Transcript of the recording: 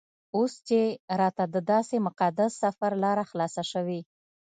اوس چې راته دداسې مقدس سفر لاره خلاصه شوې.